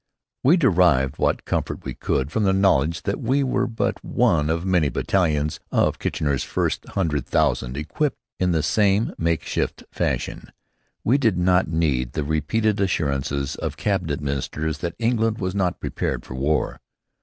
We derived what comfort we could from the knowledge that we were but one of many battalions of Kitchener's first hundred thousand equipped in this same makeshift fashion. We did not need the repeated assurances of cabinet ministers that England was not prepared for war.